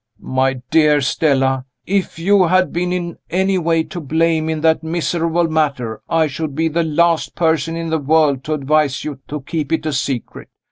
"My dear Stella! if you had been in any way to blame in that miserable matter, I should be the last person in the world to advise you to keep it a secret.